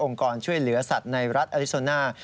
กรช่วยเหลือสัตว์ในรัฐอลิโซน่า